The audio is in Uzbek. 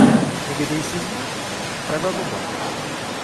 Nega deysizmi? Sababi bor.